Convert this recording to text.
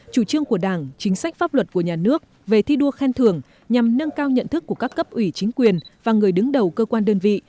chủ trương của đảng chính sách pháp luật của nhà nước về thi đua khen thưởng nhằm nâng cao nhận thức của các cấp ủy chính quyền và người đứng đầu cơ quan đơn vị